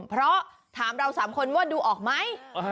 เพราะถามเรา๓คนว่าดูออกไหม